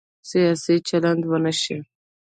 سیاسي چلند ونه شي.